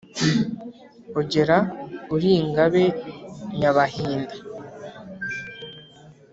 ogera uri ingabe nyabahinda!